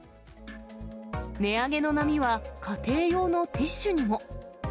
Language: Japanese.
値上げの波は、家庭用のティッシュにも。